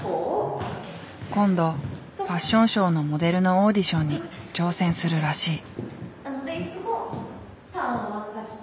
今度ファッションショーのモデルのオーディションに挑戦するらしい。